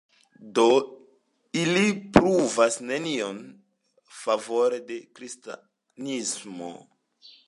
Do ili pruvas nenion favore de kristanismo.